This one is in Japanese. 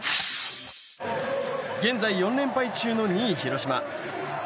現在４連敗中の２位、広島。